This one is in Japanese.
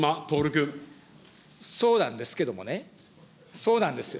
そうなんですけどもね、そうなんですよ。